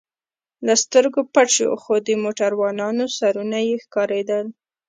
له سترګو پټ شو، خو د موټروانانو سرونه یې ښکارېدل.